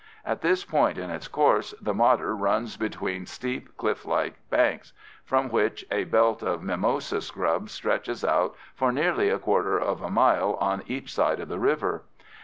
At this point in its course the Modder runs between steep, cliff like banks, from which a belt of mimosa scrub stretches out for nearly a quarter of a mile on each side of the river.